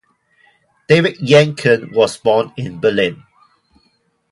David Yencken was born in Berlin.